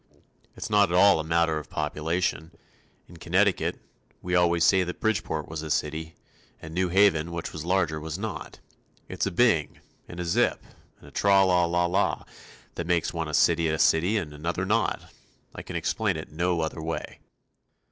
It's not at all a matter of population. In Connecticut, we always said that Bridgeport was a city, and New Haven which was larger, was not. It's a bing, and a zip, and a tra la la lah, that makes one city a city and another not. I can explain it no other way.